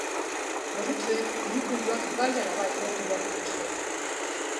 Gorritxoek hiru puntuak bai ala bai lortu behar dituzte.